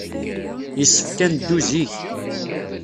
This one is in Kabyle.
Yessefk ad neddu zik.